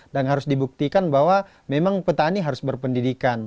dan harus dibuktikan bahwa memang petani harus berpendidikan